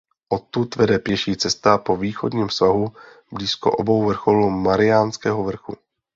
Odtud vede pěší cesta po východním svahu blízko obou vrcholů Mariánského vrchu.